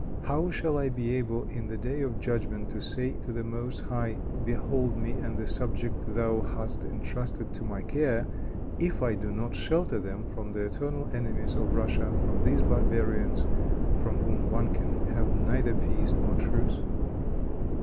How shall I be able in the day of judgment to say to the Most High, 'Behold me and the subjects thou hast entrusted to my care,' if I do not shelter them from the eternal enemies of Russia, from these barbarians from whom one can have neither peace nor truce?"